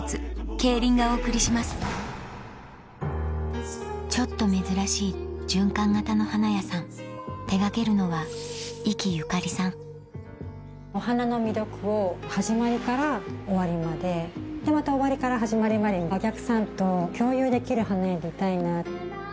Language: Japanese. ミライに挑む冒険者がいるちょっと珍しい循環型の花屋さん手掛けるのはお花の魅力を始まりから終わりまででまた終わりから始まりまでお客さんと共有できる花屋でいたいな。